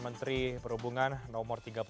menteri perhubungan nomor tiga puluh satu